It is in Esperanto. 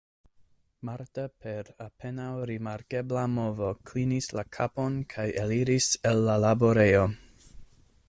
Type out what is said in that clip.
Marta per apenaŭ rimarkebla movo klinis la kapon kaj eliris el la laborejo.